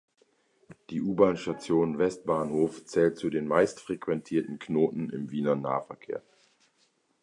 Die U-Bahn-Station Westbahnhof zählt zu den meistfrequentierten Knoten im Wiener Nahverkehr.